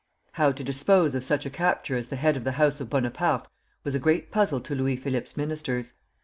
How to dispose of such a capture as the head of the house of Bonaparte was a great puzzle to Louis Philippe's ministers.